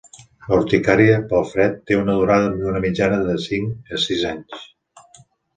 La urticària pel fred té una durada d'una mitjana de cinc a sis anys.